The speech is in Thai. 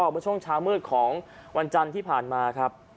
เมื่อช่วงเช้ามืดของวันจันทร์ที่ผ่านมาครับ